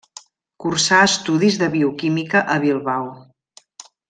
Cursà estudis de Bioquímica a Bilbao.